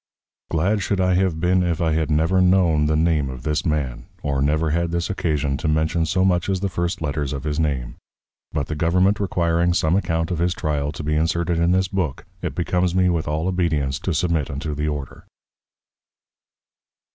Glad should I have been, if I had never known the Name of this Man; or never had this occasion to mention so much as the first Letters of his Name. But the Government requiring some Account of his Trial to be inserted in this Book, it becomes me with all Obedience to submit unto the Order.